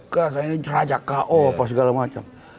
kesannya raja ko apa segala macam